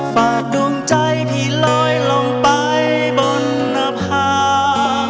ดวงใจพี่ลอยลงไปบนหน้าผา